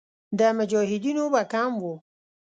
د مجاهدینو به کم وو.